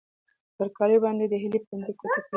پر کالیو باندې د هیلې پنډې ګوتې تېرې شوې.